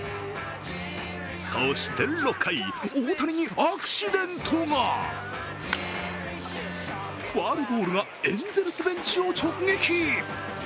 そして６回、大谷にアクシデントがファウルボールがエンゼルスベンチを直撃。